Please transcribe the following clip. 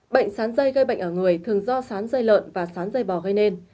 bệnh sán dây gây bệnh ở người thường do sán dây lợn và sán dây bò gây nên